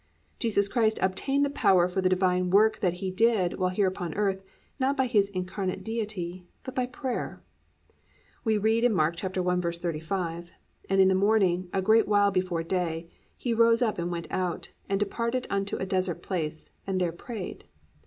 _ Jesus Christ obtained the power for the Divine work that He did while here upon earth, not by His incarnate Deity, but by prayer. We read in Mark 1:35, +"And in the morning, a great while before day, he rose up and went out, and departed unto a desert place, and there prayed."